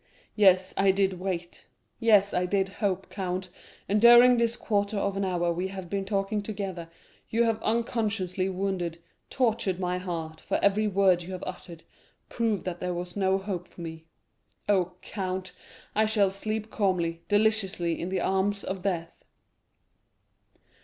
Yes, I did wait—yes, I did hope, count, and during this quarter of an hour we have been talking together, you have unconsciously wounded, tortured my heart, for every word you have uttered proved that there was no hope for me. Oh, count, I shall sleep calmly, deliciously in the arms of death."